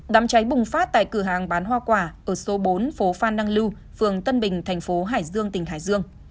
đám cháy bùng phát tại cửa hàng bán hoa quả ở số bốn phố phan đăng lưu phường tân bình thành phố hải dương tỉnh hải dương